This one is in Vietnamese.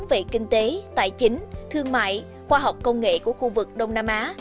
về kinh tế tài chính thương mại khoa học công nghệ của khu vực đông nam á